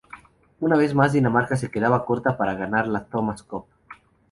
Una vez más, Dinamarca se quedaba corta para ganar la Thomas Cup.